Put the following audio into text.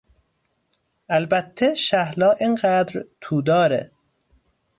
البته شهلا انقدر توداره